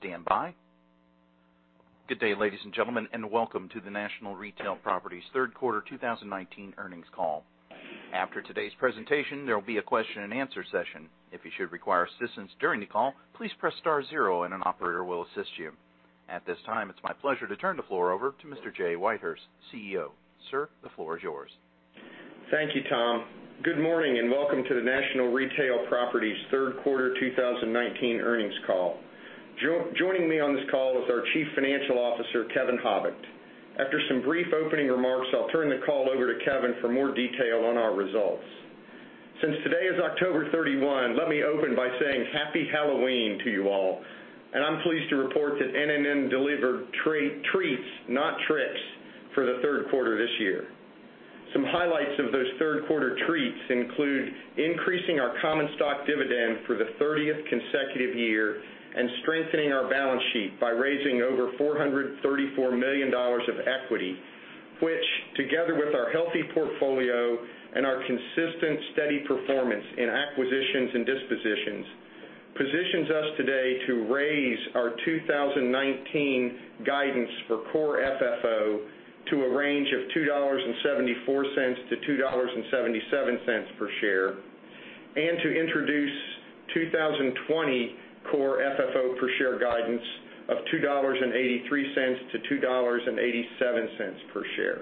Please stand by. Good day, ladies and gentlemen, and welcome to the National Retail Properties third quarter 2019 earnings call. After today's presentation, there will be a question and answer session. If you should require assistance during the call, please press star zero and an operator will assist you. At this time, it's my pleasure to turn the floor over to Mr. Jay Whitehurst, CEO. Sir, the floor is yours. Thank you, Tom. Good morning and welcome to the National Retail Properties, Inc. third quarter 2019 earnings call. Joining me on this call is our Chief Financial Officer, Kevin Habicht. After some brief opening remarks, I'll turn the call over to Kevin for more detail on our results. Since today is October 31, let me open by saying happy Halloween to you all. I'm pleased to report that NNN delivered treats, not tricks for the third quarter this year. Some highlights of those third quarter trends include increasing our common stock dividend for the 30th consecutive year, strengthening our balance sheet by raising over $434 million of equity, which, together with our healthy portfolio and our consistent steady performance in acquisitions and dispositions, positions us today to raise our 2019 guidance for Core FFO to a range of $2.74-$2.77 per share, to introduce 2020 Core FFO per share guidance of $2.83-$2.87 per share.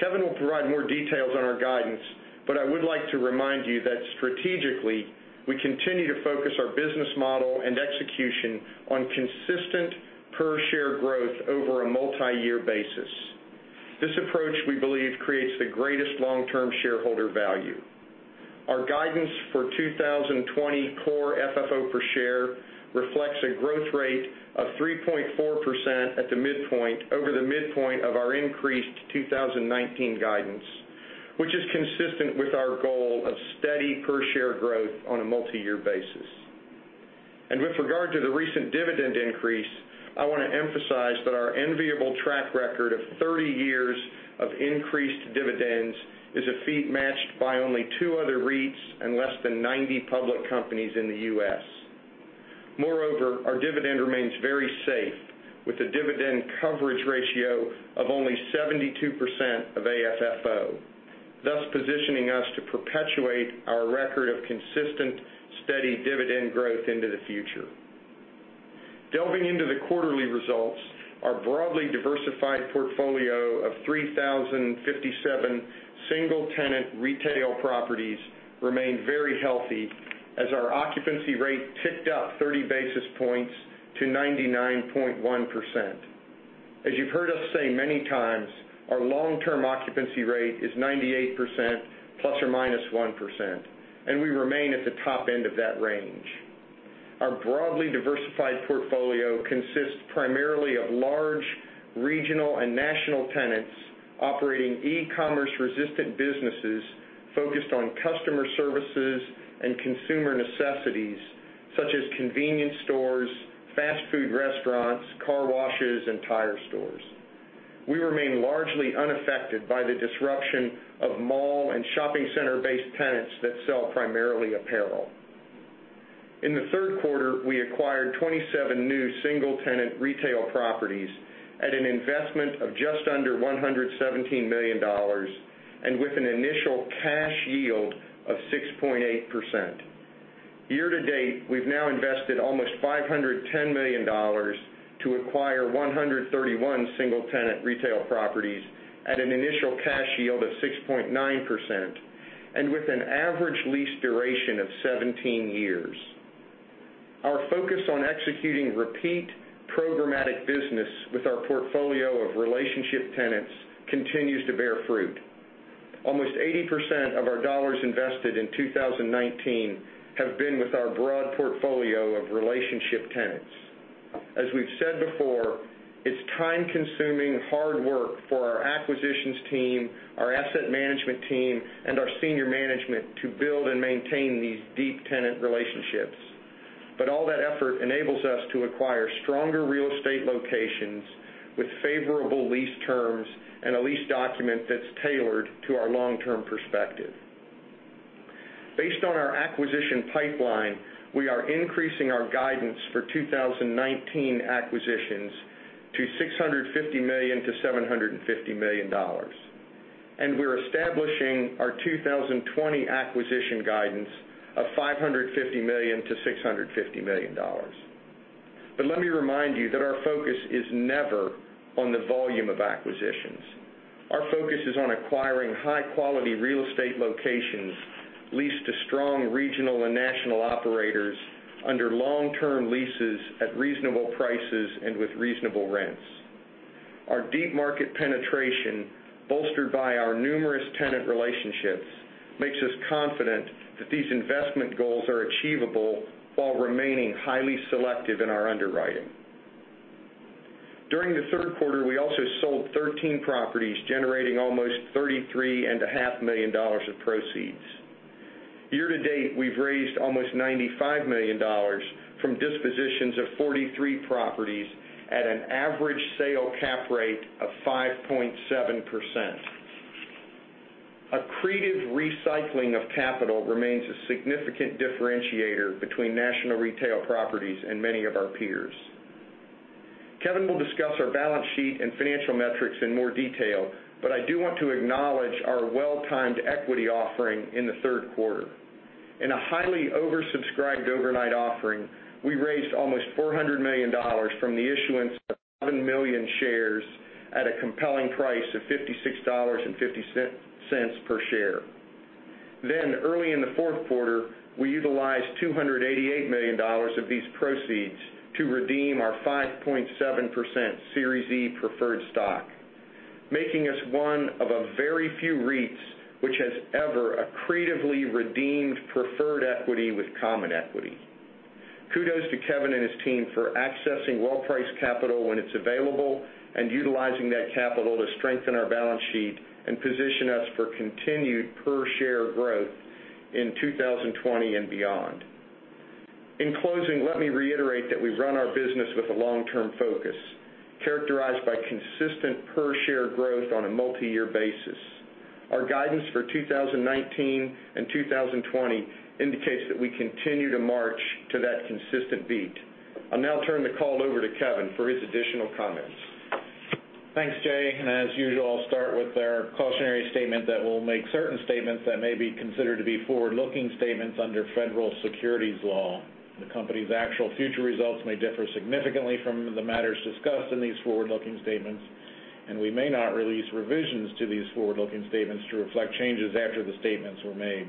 Kevin will provide more details on our guidance, but I would like to remind you that strategically, we continue to focus our business model and execution on consistent per share growth over a multi-year basis. This approach, we believe, creates the greatest long-term shareholder value. Our guidance for 2020 Core FFO per share reflects a growth rate of 3.4% at the midpoint, over the midpoint of our increased 2019 guidance, which is consistent with our goal of steady per share growth on a multi-year basis. With regard to the recent dividend increase, I want to emphasize that our enviable track record of 30 years of increased dividends is a feat matched by only two other REITs and less than 90 public companies in the U.S. Moreover, our dividend remains very safe, with a dividend coverage ratio of only 72% of AFFO, thus positioning us to perpetuate our record of consistent, steady dividend growth into the future. Delving into the quarterly results, our broadly diversified portfolio of 3,057 single-tenant retail properties remained very healthy as our occupancy rate ticked up 30 basis points to 99.1%. As you've heard us say many times, our long-term occupancy rate is 98% ±1%, and we remain at the top end of that range. Our broadly diversified portfolio consists primarily of large regional and national tenants operating e-commerce resistant businesses focused on customer services and consumer necessities such as convenience stores, fast food restaurants, car washes, and tire stores. We remain largely unaffected by the disruption of mall and shopping center-based tenants that sell primarily apparel. In the third quarter, we acquired 27 new single-tenant retail properties at an investment of just under $117 million and with an initial cash yield of 6.8%. Year to date, we've now invested almost $510 million to acquire 131 single-tenant retail properties at an initial cash yield of 6.9% and with an average lease duration of 17 years. Our focus on executing repeat programmatic business with our portfolio of relationship tenants continues to bear fruit. Almost 80% of our dollars invested in 2019 have been with our broad portfolio of relationship tenants. As we've said before, it's time-consuming, hard work for our acquisitions team, our asset management team, and our senior management to build and maintain these deep tenant relationships. All that effort enables us to acquire stronger real estate locations with favorable lease terms and a lease document that's tailored to our long-term perspective. Based on our acquisition pipeline, we are increasing our guidance for 2019 acquisitions to $650 million-$750 million. We're establishing our 2020 acquisition guidance of $550 million-$650 million. Let me remind you that our focus is never on the volume of acquisitions. Our focus is on acquiring high-quality real estate locations leased to strong regional and national operators under long-term leases at reasonable prices and with reasonable rents. Our deep market penetration, bolstered by our numerous tenant relationships, makes us confident that these investment goals are achievable while remaining highly selective in our underwriting. During the third quarter, we also sold 13 properties, generating almost $33.5 million of proceeds. Year to date, we've raised almost $95 million from dispositions of 43 properties at an average sale cap rate of 5.7%. Accretive recycling of capital remains a significant differentiator between National Retail Properties and many of our peers. Kevin will discuss our balance sheet and financial metrics in more detail, but I do want to acknowledge our well-timed equity offering in the third quarter. In a highly oversubscribed overnight offering, we raised almost $400 million from the issuance of 7 million shares at a compelling price of $56.50 per share. Early in the fourth quarter, we utilized $288 million of these proceeds to redeem our 5.7% Series E preferred stock, making us one of a very few REITs which has ever accretively redeemed preferred equity with common equity. Kudos to Kevin and his team for accessing well-priced capital when it's available, and utilizing that capital to strengthen our balance sheet and position us for continued per-share growth in 2020 and beyond. In closing, let me reiterate that we run our business with a long-term focus, characterized by consistent per-share growth on a multi-year basis. Our guidance for 2019 and 2020 indicates that we continue to march to that consistent beat. I'll now turn the call over to Kevin for his additional comments. Thanks, Jay. As usual, I'll start with our cautionary statement that we'll make certain statements that may be considered to be forward-looking statements under federal securities law. The company's actual future results may differ significantly from the matters discussed in these forward-looking statements, and we may not release revisions to these forward-looking statements to reflect changes after the statements were made.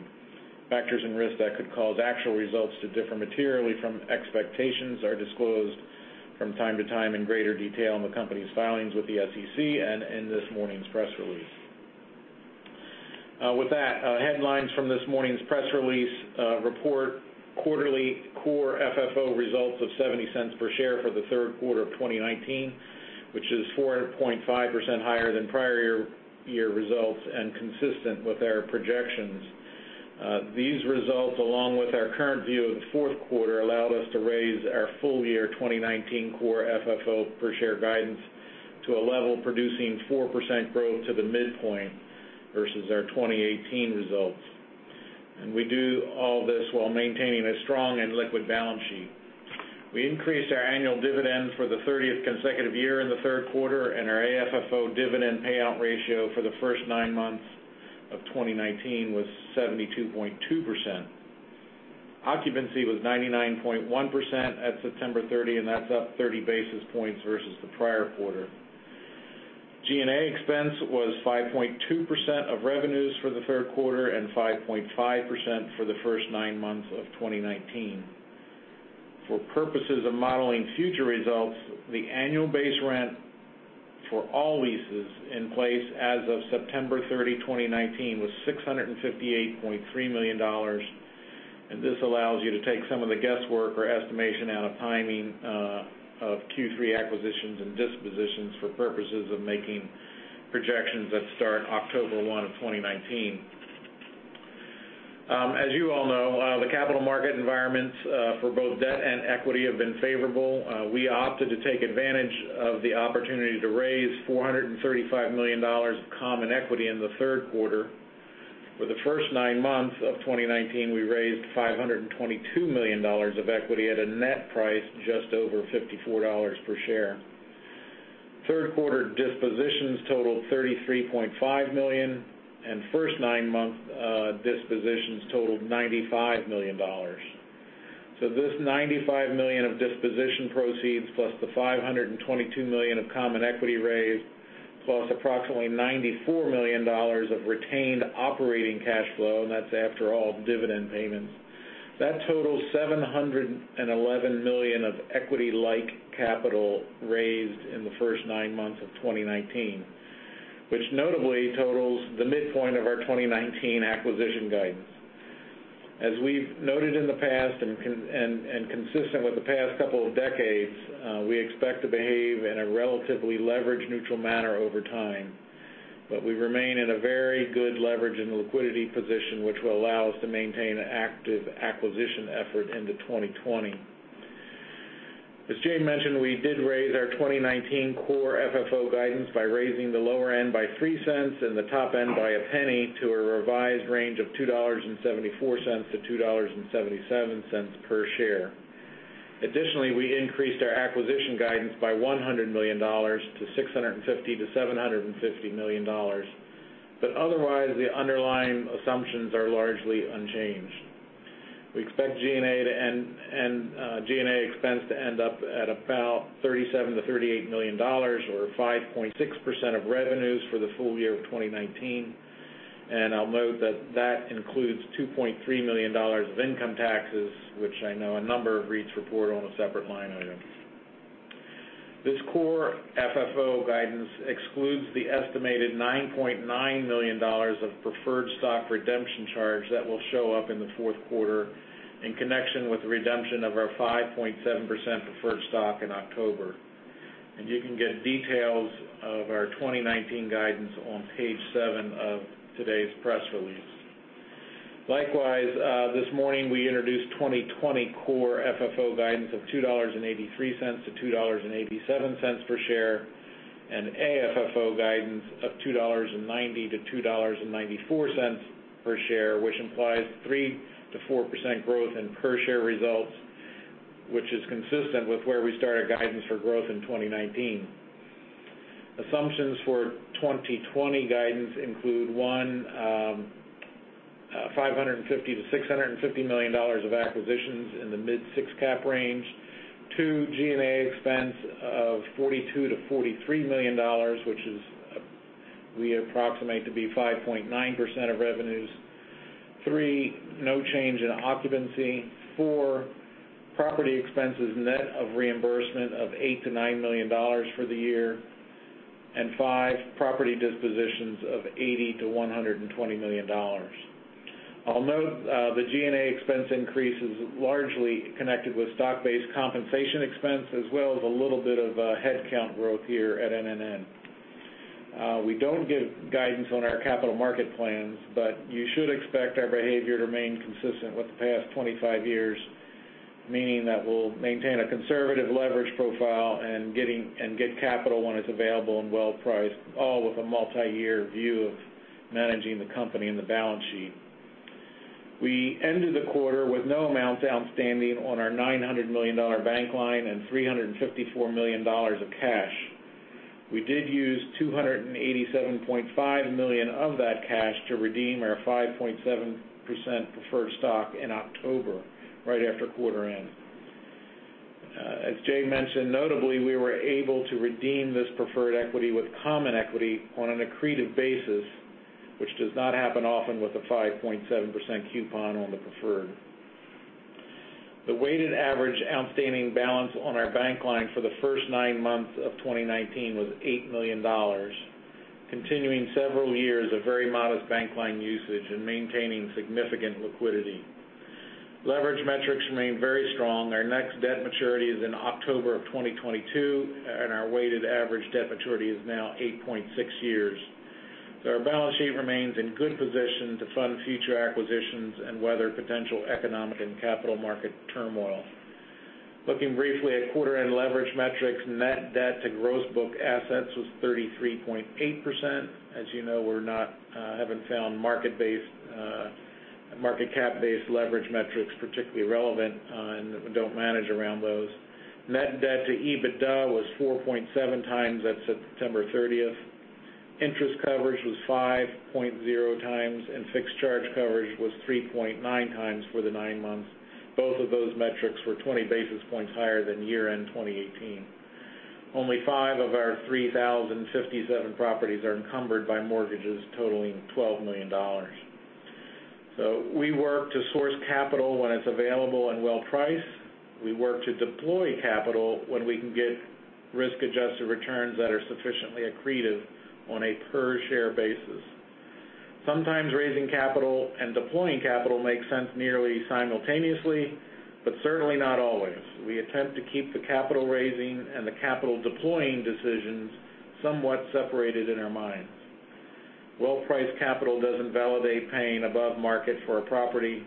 Factors and risks that could cause actual results to differ materially from expectations are disclosed from time to time in greater detail in the company's filings with the SEC and in this morning's press release. Headlines from this morning's press release report quarterly Core FFO results of $0.70 per share for the third quarter of 2019, which is 4.5% higher than prior-year results and consistent with our projections. These results, along with our current view of the fourth quarter, allowed us to raise our full year 2019 Core FFO per share guidance to a level producing 4% growth to the midpoint versus our 2018 results. We do all this while maintaining a strong and liquid balance sheet. We increased our annual dividend for the 30th consecutive year in the third quarter, and our AFFO dividend payout ratio for the first nine months of 2019 was 72.2%. Occupancy was 99.1% at September 30, and that's up 30 basis points versus the prior quarter. G&A expense was 5.2% of revenues for the third quarter, and 5.5% for the first nine months of 2019. For purposes of modeling future results, the annual base rent for all leases in place as of September 30, 2019, was $658.3 million, and this allows you to take some of the guesswork or estimation out of timing of Q3 acquisitions and dispositions for purposes of making projections that start October 1 of 2019. As you all know, the capital market environments for both debt and equity have been favorable. We opted to take advantage of the opportunity to raise $435 million of common equity in the third quarter. For the first nine months of 2019, we raised $522 million of equity at a net price just over $54 per share. Third quarter dispositions totaled $33.5 million, and first nine-month dispositions totaled $95 million. This $95 million of disposition proceeds, plus the $522 million of common equity raised, plus approximately $94 million of retained operating cash flow, and that's after all the dividend payments. That totals $711 million of equity-like capital raised in the first nine months of 2019, which notably totals the midpoint of our 2019 acquisition guidance. As we've noted in the past and consistent with the past couple of decades, we expect to behave in a relatively leverage-neutral manner over time. We remain in a very good leverage and liquidity position, which will allow us to maintain an active acquisition effort into 2020. As Jay mentioned, we did raise our 2019 Core FFO guidance by raising the lower end by $0.03 and the top end by $0.01, to a revised range of $2.74-$2.77 per share. Additionally, we increased our acquisition guidance by $100 million to $650 million-$750 million. Otherwise, the underlying assumptions are largely unchanged. We expect G&A expense to end up at about $37 million-$38 million, or 5.6% of revenues for the full year of 2019. I'll note that that includes $2.3 million of income taxes, which I know a number of REITs report on a separate line item. This Core FFO guidance excludes the estimated $9.9 million of preferred stock redemption charge that will show up in the fourth quarter in connection with the redemption of our 5.7% preferred stock in October. You can get details of our 2019 guidance on page seven of today's press release. Likewise, this morning, we introduced 2020 Core FFO guidance of $2.83-$2.87 per share, and AFFO guidance of $2.90-$2.94 per share, which implies 3%-4% growth in per share results, which is consistent with where we started guidance for growth in 2019. Assumptions for 2020 guidance include, one, $550-$650 million of acquisitions in the mid six-cap range. Two, G&A expense of $42-$43 million, which we approximate to be 5.9% of revenues. Three, no change in occupancy. Four, property expenses net of reimbursement of $8-$9 million for the year. Five, property dispositions of $80-$120 million. I'll note the G&A expense increase is largely connected with stock-based compensation expense, as well as a little bit of headcount growth here at NNN. We don't give guidance on our capital market plans. You should expect our behavior to remain consistent with the past 25 years, meaning that we'll maintain a conservative leverage profile and get capital when it's available and well-priced, all with a multi-year view of managing the company and the balance sheet. We ended the quarter with no amounts outstanding on our $900 million bank line and $354 million of cash. We did use $287.5 million of that cash to redeem our 5.7% preferred stock in October, right after quarter end. As Jay mentioned, notably, we were able to redeem this preferred equity with common equity on an accretive basis, which does not happen often with a 5.7% coupon on the preferred. The weighted average outstanding balance on our bank line for the first nine months of 2019 was $8 million, continuing several years of very modest bank line usage and maintaining significant liquidity. Leverage metrics remain very strong. Our next debt maturity is in October of 2022, and our weighted average debt maturity is now 8.6 years. Our balance sheet remains in good position to fund future acquisitions and weather potential economic and capital market turmoil. Looking briefly at quarter-end leverage metrics, net debt to gross book assets was 33.8%. As you know, we haven't found market cap-based leverage metrics particularly relevant and we don't manage around those. Net debt to EBITDA was 4.7 times as of September 30th. Interest coverage was 5.0 times, and fixed charge coverage was 3.9 times for the nine months. Both of those metrics were 20 basis points higher than year-end 2018. Only five of our 3,057 properties are encumbered by mortgages totaling $12 million. We work to source capital when it's available and well-priced. We work to deploy capital when we can get risk-adjusted returns that are sufficiently accretive on a per share basis. Sometimes raising capital and deploying capital makes sense nearly simultaneously, but certainly not always. We attempt to keep the capital raising and the capital deploying decisions somewhat separated in our minds. Well-priced capital doesn't validate paying above market for a property.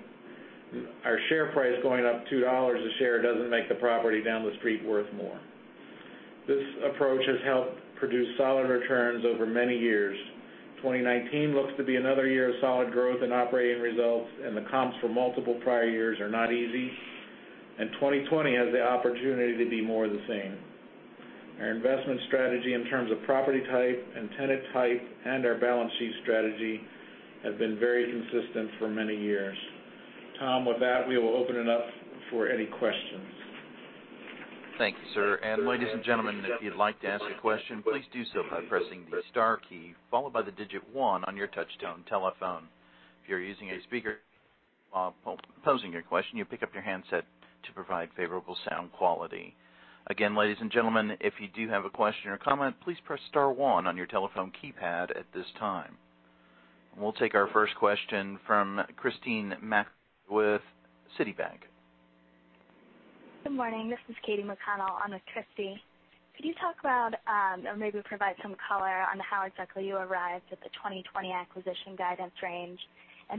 Our share price going up $2 a share doesn't make the property down the street worth more. This approach has helped produce solid returns over many years. 2019 looks to be another year of solid growth in operating results, and the comps for multiple prior years are not easy. 2020 has the opportunity to be more of the same. Our investment strategy in terms of property type and tenant type and our balance sheet strategy have been very consistent for many years. Tom, with that, we will open it up for any questions. Thank you, sir. Ladies and gentlemen, if you'd like to ask a question, please do so by pressing the star key, followed by the digit one on your touchtone telephone. If you're using a speakerphone, while posing your question, you pick up your handset to provide favorable sound quality. Again, ladies and gentlemen, if you do have a question or comment, please press star one on your telephone keypad at this time. We'll take our first question from Christy McElroy with Citibank. Good morning. This is Katy McConnell. I'm with Christy. Could you talk about, or maybe provide some color on how exactly you arrived at the 2020 acquisition guidance range?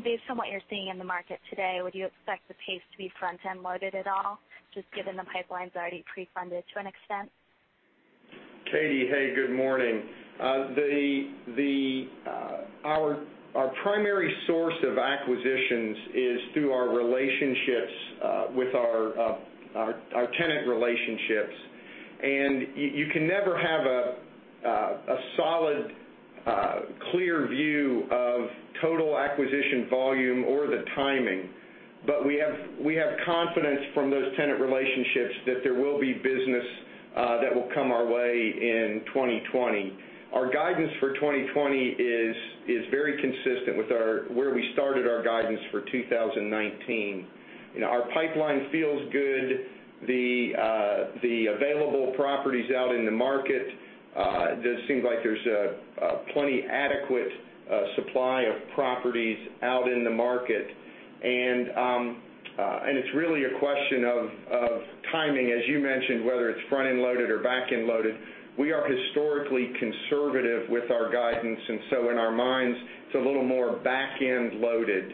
Based on what you're seeing in the market today, would you expect the pace to be front-end loaded at all, just given the pipeline's already pre-funded to an extent? Katy, hey, good morning. Our primary source of acquisitions is through our relationships with our tenant relationships. You can never have a solid, clear view of total acquisition volume or the timing. We have confidence from those tenant relationships that there will be business that will come our way in 2020. Our guidance for 2020 is very consistent with where we started our guidance for 2019. Our pipeline feels good. The available properties out in the market, just seems like there's a plenty adequate supply of properties out in the market. It's really a question of timing, as you mentioned, whether it's front-end loaded or back-end loaded. We are historically conservative with our gu- In our minds, it's a little more back-end loaded.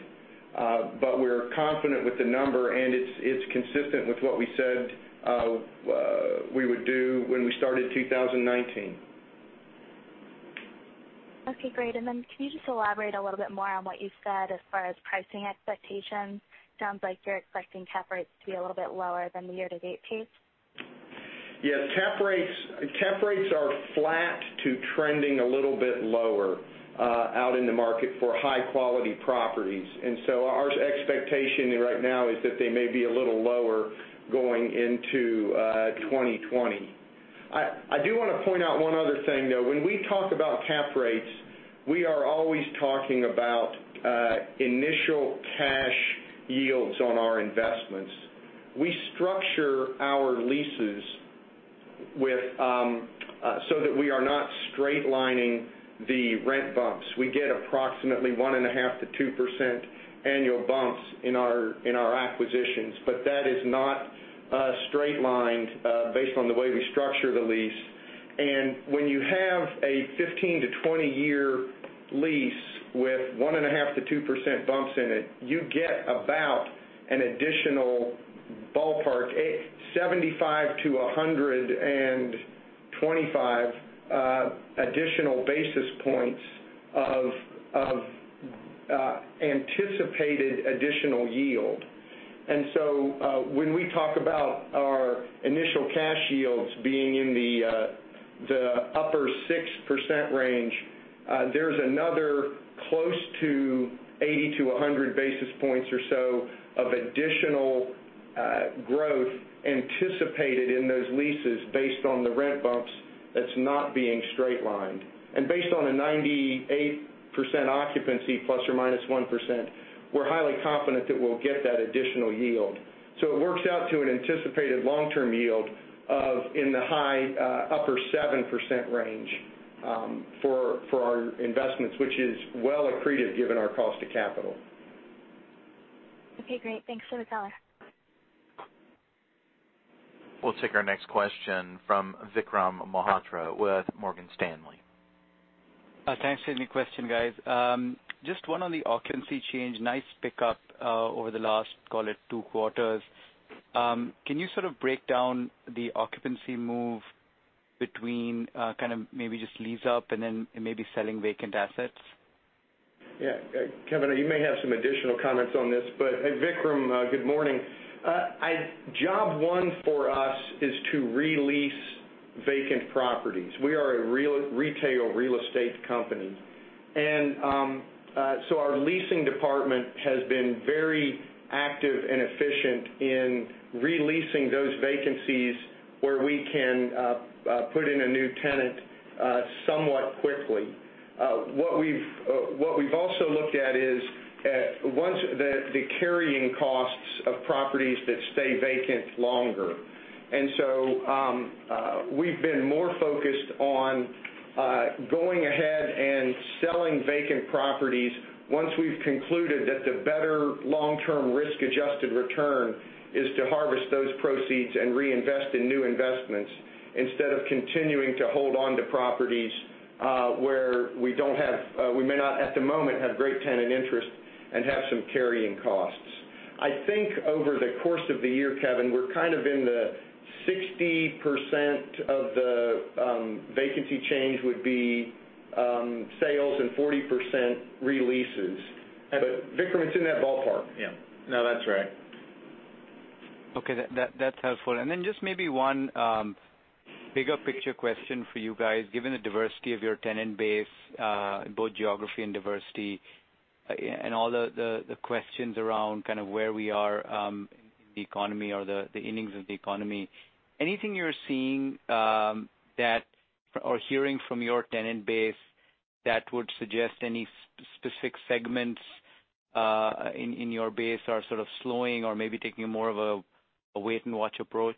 We're confident with the number, and it's consistent with what we said we would do when we started 2019. Okay, great. Can you just elaborate a little bit more on what you said as far as pricing expectations? Sounds like you're expecting cap rates to be a little bit lower than the year-to-date pace. Yes. Cap rates are flat to trending a little bit lower out in the market for high-quality properties. Our expectation right now is that they may be a little lower going into 2020. I do want to point out one other thing, though. When we talk about cap rates, we are always talking about initial cash yields on our investments. We structure our leases so that we are not straight-lining the rent bumps. We get approximately 1.5% to 2% annual bumps in our acquisitions, that is not straight-lined, based on the way we structure the lease. When you have a 15- to 20-year lease with 1.5% to 2% bumps in it, you get about an additional ballpark, 75 to 125 additional basis points of anticipated additional yield. When we talk about our initial cash yields being in the upper 6% range, there's another close to 80 to 100 basis points or so of additional growth anticipated in those leases based on the rent bumps that's not being straight-lined. Based on a 98% occupancy, ±1%, we're highly confident that we'll get that additional yield. It works out to an anticipated long-term yield in the high upper 7% range for our investments, which is well accretive given our cost to capital. Okay, great. Thanks for the color. We'll take our next question from Vikram Malhotra with Morgan Stanley. Thanks. Giving me question, guys. Just one on the occupancy change. Nice pickup over the last, call it two quarters. Can you sort of break down the occupancy move between kind of maybe just lease up and then maybe selling vacant assets? Yeah. Kevin, you may have some additional comments on this, hey, Vikram, good morning. Job one for us is to re-lease vacant properties. We are a retail real estate company. Our leasing department has been very active and efficient in re-leasing those vacancies where we can put in a new tenant somewhat quickly. What we've also looked at is the carrying costs of properties that stay vacant longer. We've been more focused on going ahead and selling vacant properties once we've concluded that the better long-term risk-adjusted return is to harvest those proceeds and reinvest in new investments, instead of continuing to hold onto properties where we may not, at the moment, have great tenant interest and have some carrying costs. I think over the course of the year, Kevin, we're kind of in the 60% of the vacancy change would be sales and 40% re-leases. Vikram, it's in that ballpark. Yeah. No, that's right. Okay. That's helpful. Just maybe one bigger picture question for you guys. Given the diversity of your tenant base, both geography and diversity, and all the questions around kind of where we are in the economy or the innings of the economy, anything you're seeing that, or hearing from your tenant base that would suggest any specific segments in your base are sort of slowing or maybe taking more of a wait-and-watch approach?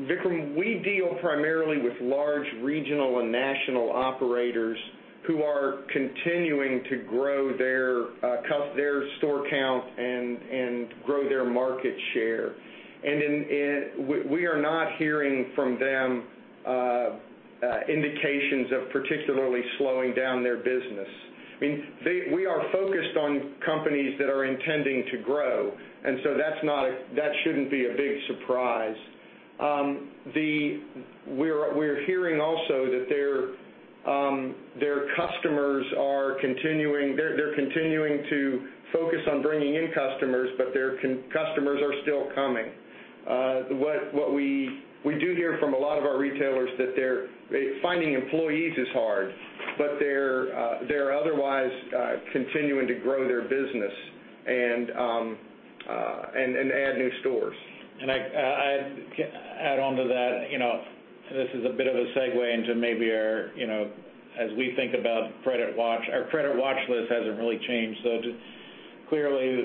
Vikram, we deal primarily with large regional and national operators who are continuing to grow their store count and grow their market share. We are not hearing from them indications of particularly slowing down their business. We are focused on companies that are intending to grow, and so that shouldn't be a big surprise. We're hearing also that their customers are continuing. They're continuing to focus on bringing in customers, but their customers are still coming. What we do hear from a lot of our retailers that finding employees is hard, but they're otherwise continuing to grow their business and add new stores. I'd add onto that, this is a bit of a segue into maybe our, as we think about credit watch, our credit watch list hasn't really changed. Just clearly,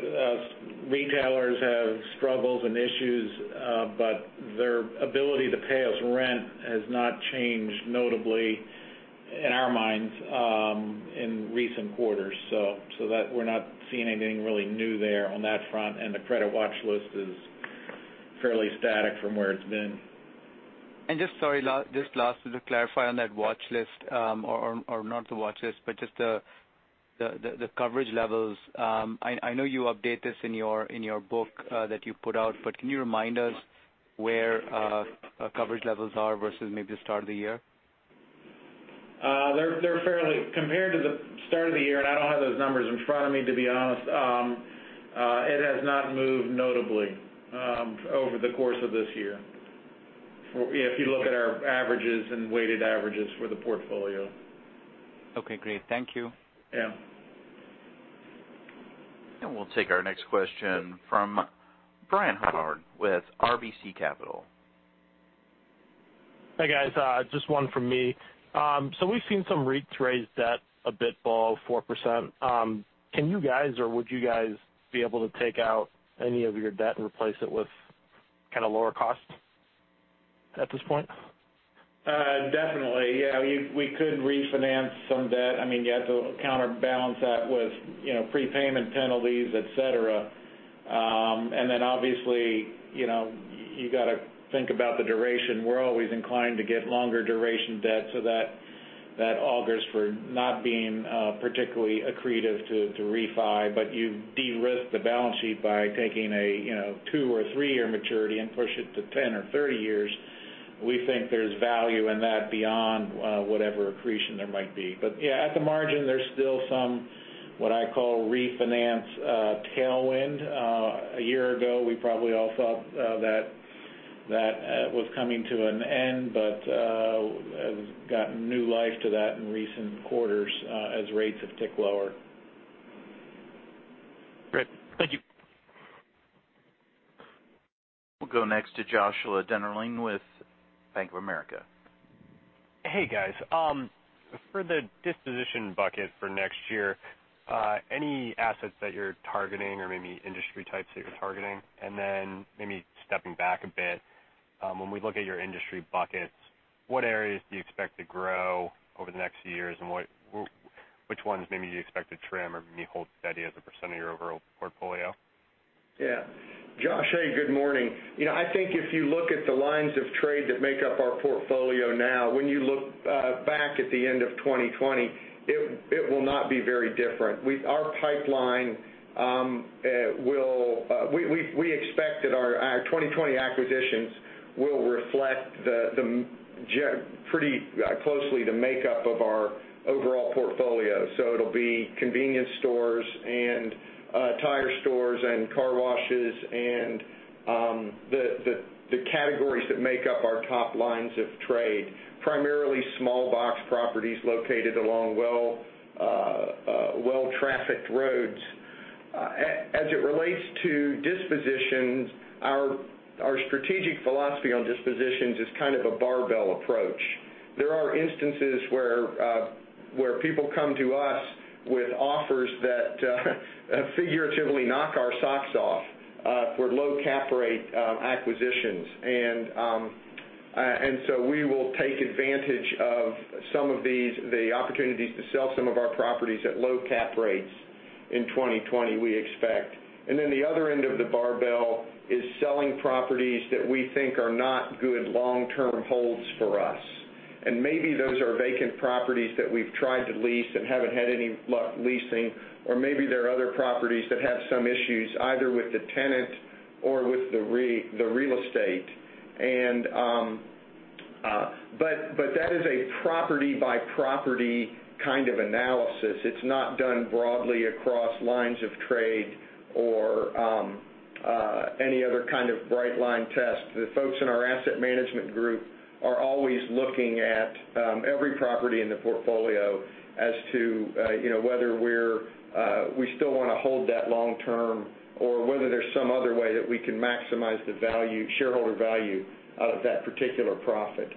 retailers have struggles and issues, but their ability to pay us rent has not changed notably in our minds, in recent quarters. That we're not seeing anything really new there on that front, and the credit watch list is fairly static from where it's been. Just, sorry, last to clarify on that watch list, or not the watch list, but just the coverage levels. I know you update this in your book that you put out, but can you remind us where our coverage levels are versus maybe the start of the year? Compared to the start of the year, and I don't have those numbers in front of me, to be honest, it has not moved notably over the course of this year. If you look at our averages and weighted averages for the portfolio. Okay, great. Thank you. Yeah. We'll take our next question from Brian Howard with RBC Capital. Hey, guys. Just one from me. We've seen some REITs raise debt a bit below 4%. Can you guys, or would you guys be able to take out any of your debt and replace it with kind of lower cost at this point? Definitely, yeah. We could refinance some debt. You have to counterbalance that with prepayment penalties, et cetera. Obviously, you've got to think about the duration. We're always inclined to get longer duration debt so that augurs for not being particularly accretive to refi. You de-risk the balance sheet by taking a two or three-year maturity and push it to 10 or 30 years. We think there's value in that beyond whatever accretion there might be. Yeah, at the margin, there's still some, what I call refinance tailwind. A year ago, we probably all thought that was coming to an end, but got new life to that in recent quarters as rates have ticked lower. Great. Thank you. We'll go next to Joshua Dennerlein with Bank of America. Hey, guys. For the disposition bucket for next year, any assets that you're targeting or maybe industry types that you're targeting? Then maybe stepping back a bit, when we look at your industry buckets, what areas do you expect to grow over the next few years, and which ones maybe you expect to trim or maybe hold steady as a percent of your overall portfolio? Yeah. Josh, hey, good morning. I think if you look at the lines of trade that make up our portfolio now, when you look back at the end of 2020, it will not be very different. We expect that our 2020 acquisitions will reflect pretty closely the makeup of our overall portfolio. It'll be convenience stores and tire stores and car washes and the categories that make up our top lines of trade, primarily small box properties located along well-trafficked roads. As it relates to dispositions, our strategic philosophy on dispositions is kind of a barbell approach. There are instances where people come to us with offers that figuratively knock our socks off for low cap rate acquisitions. We will take advantage of some of the opportunities to sell some of our properties at low cap rates in 2020, we expect. The other end of the barbell is selling properties that we think are not good long-term holds for us. Those are vacant properties that we've tried to lease and haven't had any luck leasing, or maybe there are other properties that have some issues, either with the tenant or with the real estate. That is a property-by-property kind of analysis. It's not done broadly across lines of trade or any other kind of bright line test. The folks in our asset management group are always looking at every property in the portfolio as to whether we still want to hold that long term or whether there's some other way that we can maximize the shareholder value of that particular property.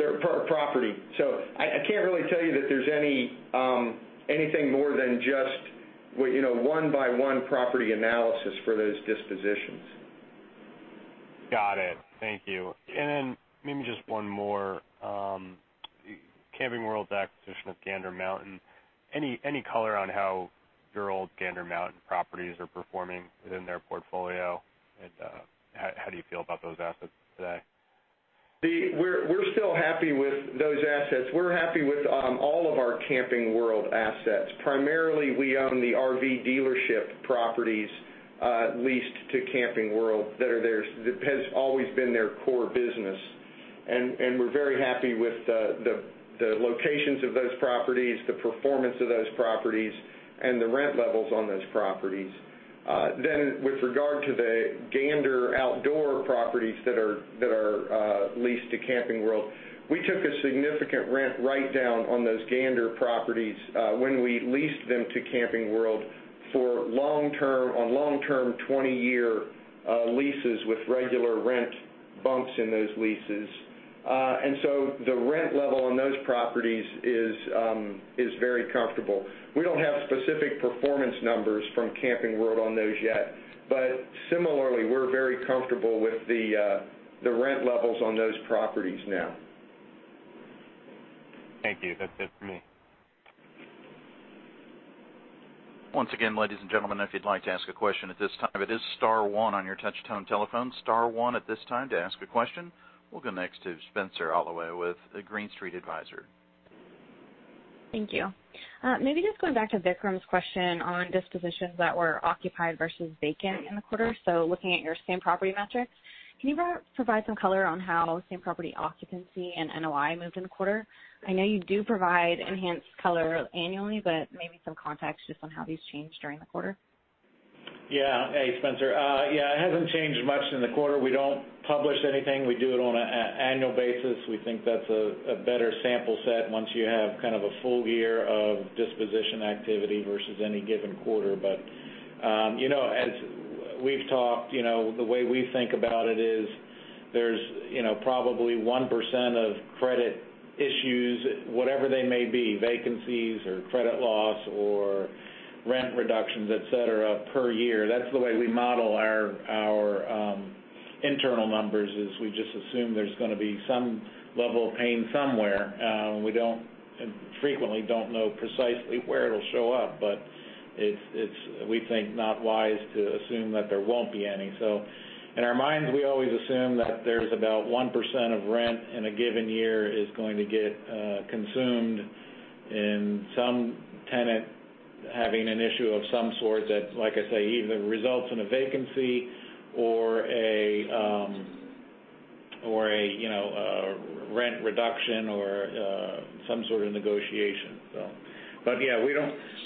I can't really tell you that there's anything more than just one-by-one property analysis for those dispositions. Got it. Thank you. Then maybe just one more. Camping World's acquisition of Gander Mountain, any color on how your old Gander Mountain properties are performing within their portfolio, and how do you feel about those assets today? We're still happy with those assets. We're happy with all of our Camping World assets. Primarily, we own the RV dealership properties leased to Camping World that has always been their core business. We're very happy with the locations of those properties, the performance of those properties, and the rent levels on those properties. With regard to the Gander Outdoors properties that are leased to Camping World, we took a significant rent write-down on those Gander properties when we leased them to Camping World on long-term 20-year leases with regular rent bumps in those leases. The rent level on those properties is very comfortable. We don't have specific performance numbers from Camping World on those yet, but similarly, we're very comfortable with the rent levels on those properties now. Thank you. That's it for me. Once again, ladies and gentlemen, if you'd like to ask a question at this time, it is star one on your touch-tone telephone, star one at this time to ask a question. We'll go next to Spenser Glimcher with Green Street Advisors. Thank you. Maybe just going back to Vikram's question on dispositions that were occupied versus vacant in the quarter, looking at your same property metrics, can you provide some color on how same property occupancy and NOI moved in the quarter? I know you do provide enhanced color annually, maybe some context just on how these changed during the quarter. Yeah. Hey, Spenser. Yeah, it hasn't changed much in the quarter. We don't publish anything. We do it on an annual basis. We think that's a better sample set once you have kind of a full year of disposition activity versus any given quarter. As we've talked, the way we think about it is there's probably 1% of credit issues, whatever they may be, vacancies or credit loss or rent reductions, et cetera, per year. That's the way we model our internal numbers, is we just assume there's going to be some level of pain somewhere. We frequently don't know precisely where it'll show up, but it's, we think, not wise to assume that there won't be any. In our minds, we always assume that there's about 1% of rent in a given year is going to get consumed in some tenant having an issue of some sort that, like I say, either results in a vacancy or a rent reduction or some sort of negotiation. Yeah,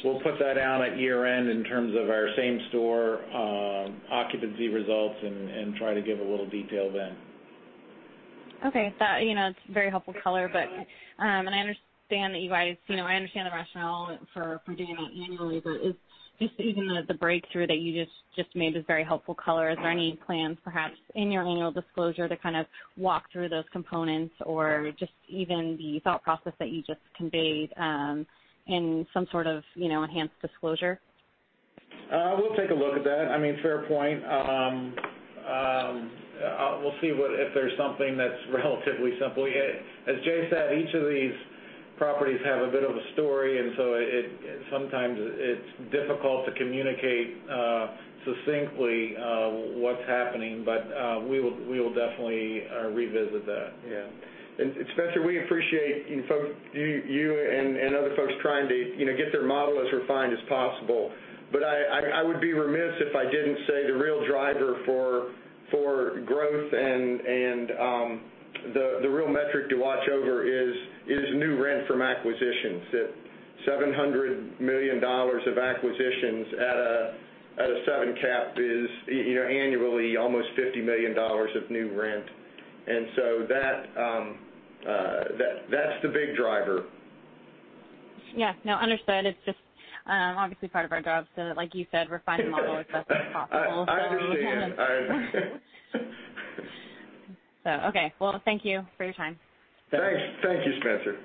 we'll put that out at year-end in terms of our same-store occupancy results and try to give a little detail then. Okay. That's very helpful color. I understand the rationale for doing it annually, but just even the breakthrough that you just made is very helpful color. Is there any plans, perhaps in your annual disclosure, to kind of walk through those components or just even the thought process that you just conveyed, in some sort of enhanced disclosure? We'll take a look at that. I mean, fair point. We'll see if there's something that's relatively simple. As Jay said, each of these properties have a bit of a story, and so sometimes it's difficult to communicate succinctly what's happening. We will definitely revisit that. Yeah. Spenser, we appreciate you and other folks trying to get their model as refined as possible. I would be remiss if I didn't say the real driver for growth and the real metric to watch over is new rent from acquisitions. That $700 million of acquisitions at a 7 cap is annually almost $50 million of new rent. That's the big driver. Yeah, no, understood. It's just obviously part of our job, so like you said, refine the model as best as possible. I understand. Okay. Well, thank you for your time. Thanks. Thank you, Spenser.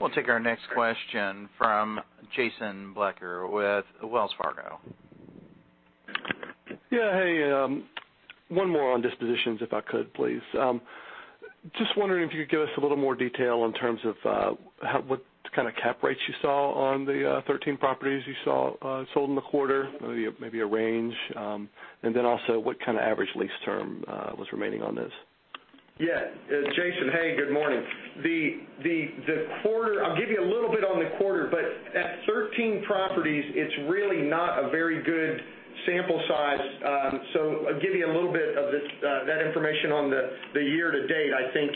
We'll take our next question from Jason Bleecker with Wells Fargo. Yeah. Hey, one more on dispositions, if I could please. Just wondering if you could give us a little more detail in terms of what kind of cap rates you saw on the 13 properties you sold in the quarter, maybe a range. Also, what kind of average lease term was remaining on those? Jason Bleecker, hey, good morning. I'll give you a little bit on the quarter, but at 13 properties, it's really not a very good sample size. I'll give you a little bit of that information on the year-to-date, I think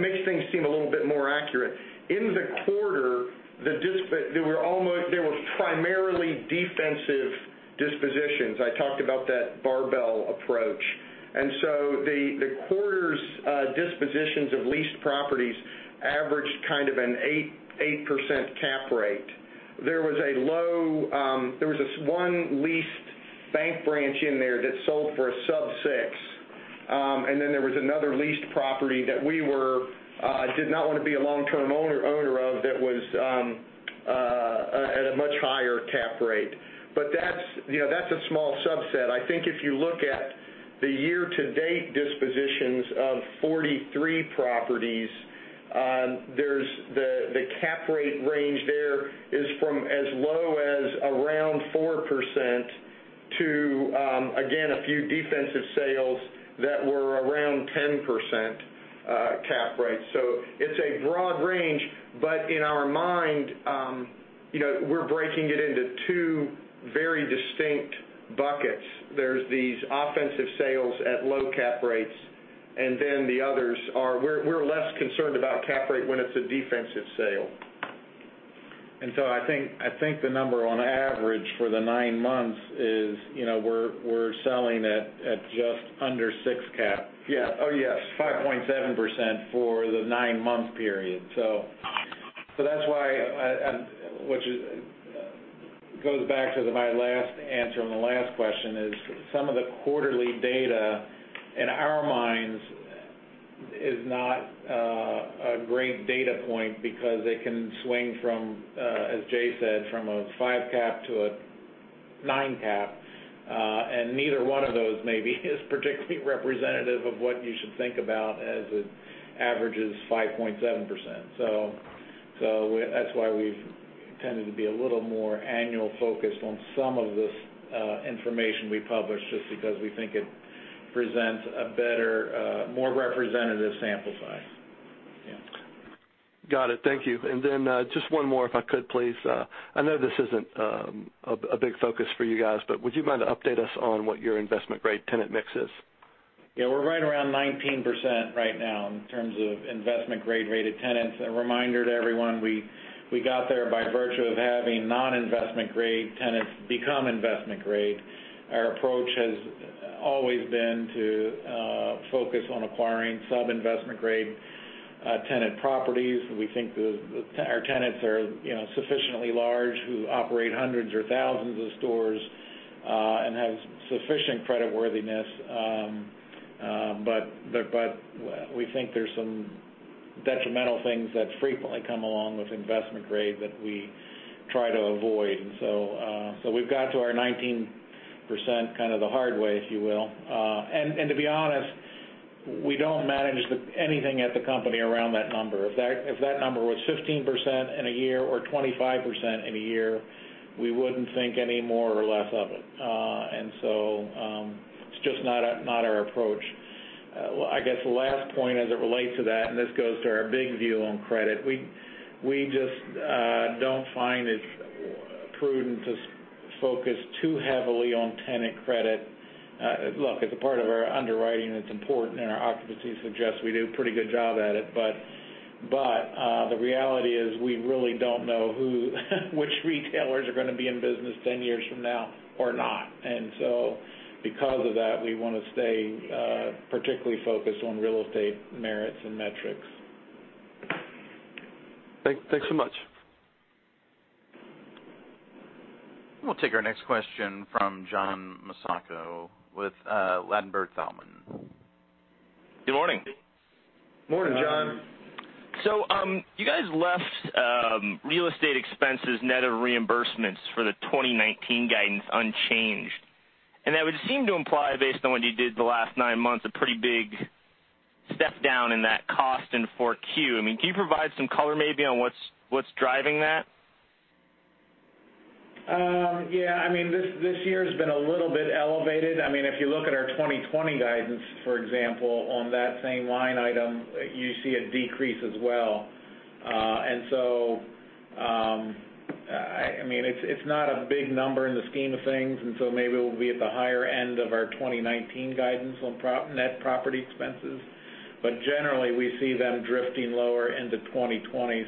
makes things seem a little bit more accurate. In the quarter, there were primarily defensive dispositions. I talked about that barbell approach. The quarter's dispositions of leased properties averaged kind of an 8% cap rate. There was this one leased bank branch in there that sold for a sub six. There was another leased property that we did not want to be a long-term owner of that was at a much higher cap rate. That's a small subset. I think if you look at the year-to-date dispositions of 43 properties, the cap rate range there is from as low as around 4% to, again, a few defensive sales that were around 10% cap rate. It's a broad range, but in our mind, we're breaking it into two very distinct buckets. There's these offensive sales at low cap rates, and then the others are We're less concerned about cap rate when it's a defensive sale. I think the number on average for the nine months is, we're selling at just under six cap. Yeah. Oh, yes. 5.7% for the nine-month period. That's why, which goes back to my last answer on the last question, is some of the quarterly data in our minds is not a great data point because they can swing from, as Jay said, from a five cap. Nine cap. Neither one of those maybe is particularly representative of what you should think about as it averages 5.7%. That's why we've tended to be a little more annual-focused on some of this information we publish, just because we think it presents a better, more representative sample size. Yeah. Got it. Thank you. Just one more if I could please. I know this isn't a big focus for you guys, but would you mind to update us on what your investment-grade tenant mix is? Yeah. We're right around 19% right now in terms of investment grade rated tenants. A reminder to everyone, we got there by virtue of having non-investment grade tenants become investment grade. Our approach has always been to focus on acquiring sub-investment grade tenant properties. We think our tenants are sufficiently large, who operate hundreds or thousands of stores, and have sufficient credit worthiness. We think there's some detrimental things that frequently come along with investment grade that we try to avoid. We've got to our 19% kind of the hard way, if you will. To be honest, we don't manage anything at the company around that number. If that number was 15% in a year or 25% in a year, we wouldn't think any more or less of it. It's just not our approach. I guess the last point as it relates to that, and this goes to our big view on credit, we just don't find it prudent to focus too heavily on tenant credit. Look, as a part of our underwriting, it's important, and our occupancy suggests we do a pretty good job at it, but the reality is we really don't know which retailers are gonna be in business 10 years from now or not. Because of that, we want to stay particularly focused on real estate merits and metrics. Thanks so much. We'll take our next question from John Massocca with Ladenburg Thalmann. Good morning. Morning, John. You guys left real estate expenses net of reimbursements for the 2019 guidance unchanged, and that would seem to imply, based on what you did the last nine months, a pretty big step-down in that cost in 4Q. Can you provide some color maybe on what's driving that? Yeah. This year's been a little bit elevated. If you look at our 2020 guidance, for example, on that same line item, you see a decrease as well. It's not a big number in the scheme of things, and so maybe we'll be at the higher end of our 2019 guidance on net property expenses. Generally, we see them drifting lower into 2020.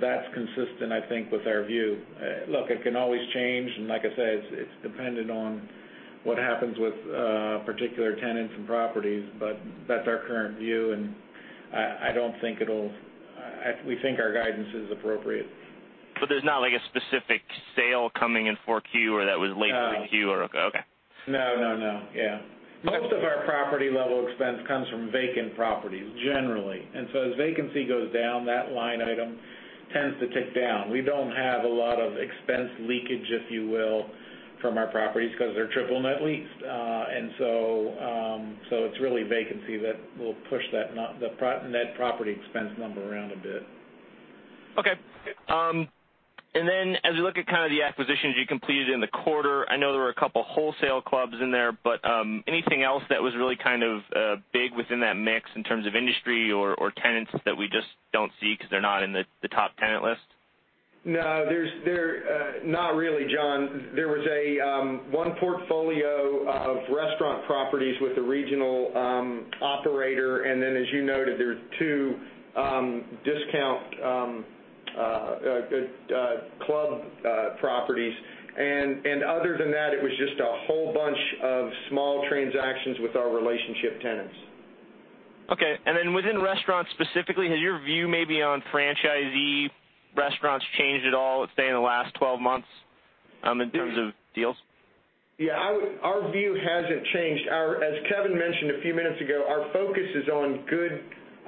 That's consistent, I think, with our view. Look, it can always change, and like I said, it's dependent on what happens with particular tenants and properties. That's our current view, and we think our guidance is appropriate. There's not a specific sale coming in 4Q or that was late 3Q. No. Okay. No. Most of our property-level expense comes from vacant properties, generally. As vacancy goes down, that line item tends to tick down. We don't have a lot of expense leakage, if you will, from our properties because they're triple net lease. It's really vacancy that will push the net property expense number around a bit. Okay. As we look at kind of the acquisitions you completed in the quarter, I know there were a couple wholesale clubs in there. Anything else that was really kind of big within that mix in terms of industry or tenants that we just don't see because they're not in the top tenant list? No, not really, John. There was one portfolio of restaurant properties with a regional operator, and then as you noted, there are two discount club properties. Other than that, it was just a whole bunch of small transactions with our relationship tenants. Okay. Within restaurants specifically, has your view maybe on franchisee restaurants changed at all, let's say in the last 12 months, in terms of deals? Yeah. Our view hasn't changed. As Kevin mentioned a few minutes ago, our focus is on good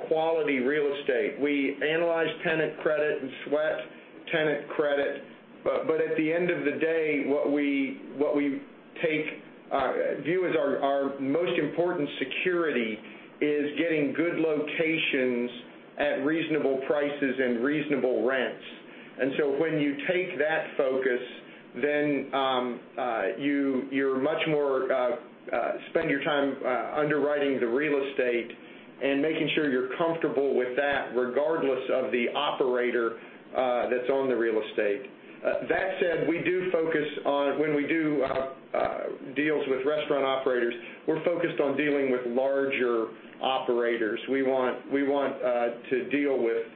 quality real estate. We analyze tenant credit and sweat tenant credit. At the end of the day, what we view as our most important security is getting good locations at reasonable prices and reasonable rents. When you take that focus, then you much more spend your time underwriting the real estate and making sure you're comfortable with that, regardless of the operator that's on the real estate. That said, when we do deals with restaurant operators, we're focused on dealing with larger operators. We want to deal with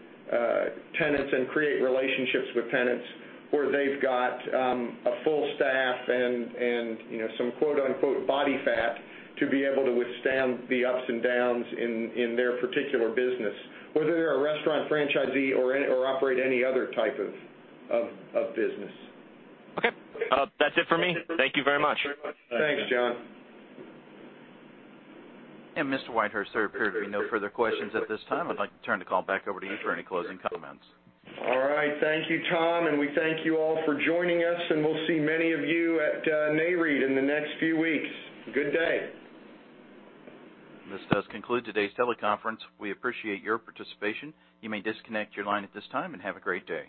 tenants and create relationships with tenants where they've got a full staff and some quote unquote "body fat" to be able to withstand the ups and downs in their particular business, whether they're a restaurant franchisee or operate any other type of business. Okay. That's it for me. Thank you very much. Thanks, John. Mr. Whitehurst, sir, there appear to be no further questions at this time. I'd like to turn the call back over to you for any closing comments. All right. Thank you, Tom, and we thank you all for joining us, and we'll see many of you at Nareit in the next few weeks. Good day. This does conclude today's teleconference. We appreciate your participation. You may disconnect your line at this time, and have a great day.